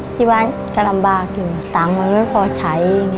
ที่บ้านก็ลำบากอยู่ตังค์มันไม่พอใช้